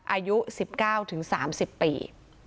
อายุ๑๙๓๐ปี